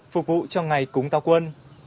phục vụ cho ngày cúng tao quân